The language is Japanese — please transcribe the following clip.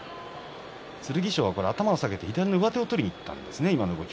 剣翔は頭を下げて左の上手を取りにいったんですね。